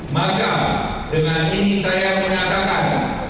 maka dengan ini saya menyatakan